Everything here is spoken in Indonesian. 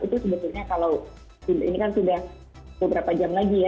itu sebetulnya kalau ini kan sudah beberapa jam lagi ya